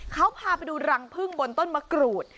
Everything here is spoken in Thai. เขาพาไปดูรังพึ่งบนต้นมะกรูด